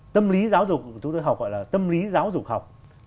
tâm lý giáo dục chúng tôi học gọi là tâm lý giáo dục học